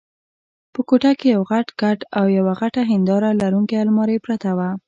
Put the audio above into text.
په کوټه کې یو غټ کټ او یوه غټه هنداره لرونکې المارۍ پرته وه.